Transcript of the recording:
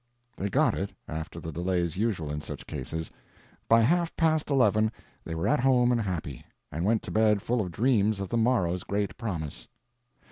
They got it, after the delays usual in such cases. By half past eleven they were at home and happy, and went to bed full of dreams of the morrow's great promise.